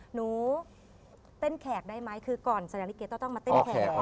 หนูเต้นแขกได้ไหมคือก่อนแสดงลิเกต้องมาเต้นแขกเหรอ